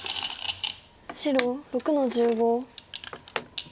白６の十五。